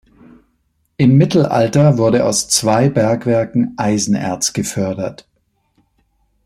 Im Mittelalter wurde aus zwei Bergwerken Eisenerz gefördert.